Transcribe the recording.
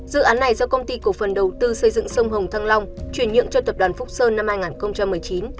dự án này do công ty cổ phần đầu tư xây dựng sông hồng thăng long chuyển nhượng cho tập đoàn phúc sơn năm hai nghìn một mươi chín